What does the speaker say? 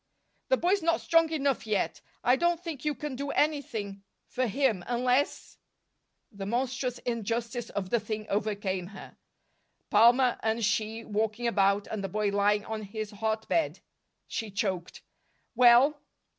"The boy's not strong enough yet. I don't think you can do anything for him, unless " The monstrous injustice of the thing overcame her. Palmer and she walking about, and the boy lying on his hot bed! She choked. "Well?"